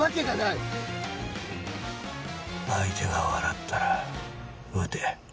相手が笑ったら撃て。